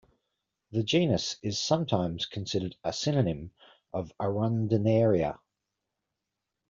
The genus is sometimes considered a synonym of "Arundinaria".